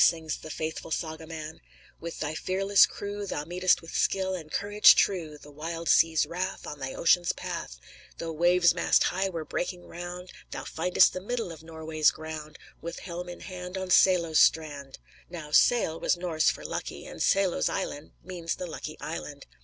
sings the faithful saga man, "With thy fearless crew Thou meetest with skill and courage true The wild sea's wrath On thy ocean path. Though waves mast high were breaking round, Thou findest the middle of Norway's ground, With helm in hand On Saelo's strand." Now Sael was Norse for "lucky" and Saelo's Island means the lucky island.